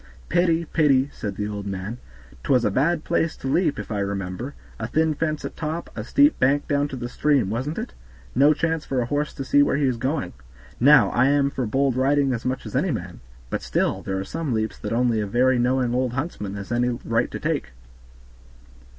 "Pity! pity!" said the old man; "'twas a bad place to leap, if I remember; a thin fence at top, a steep bank down to the stream, wasn't it? No chance for a horse to see where he is going. Now, I am for bold riding as much as any man, but still there are some leaps that only a very knowing old huntsman has any right to take.